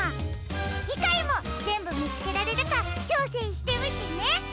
じかいもぜんぶみつけられるかちょうせんしてみてね！